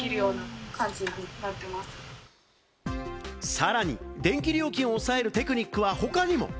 さらに電気料金を抑えるテクニックは他にも。